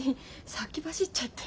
先走っちゃって。